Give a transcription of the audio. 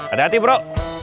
ada hati bro